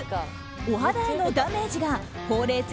お肌へのダメージがほうれい